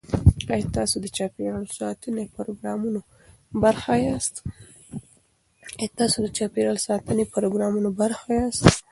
ایا تاسو د چاپیریال ساتنې پروګرامونو برخه یاست؟